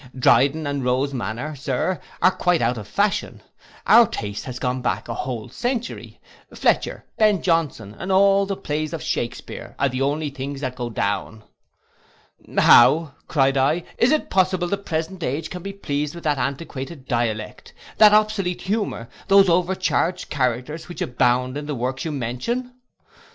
Dryden and Row's manner, Sir, are quite out of fashion; our taste has gone back a whole century, Fletcher, Ben Johnson, and all the plays of Shakespear, are the only things that go down.'—'How,' cried I, 'is it possible the present age can be pleased with that antiquated dialect, that obsolete humour, those overcharged characters, which abound in the works you mention?